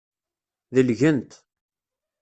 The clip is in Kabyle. Delgen-t.